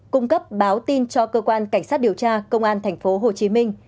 cung cấp báo tin cho cơ quan cảnh sát điều tra công an tp hcm